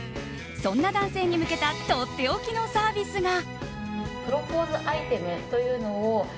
そんな男性に向けたとっておきのサービスが。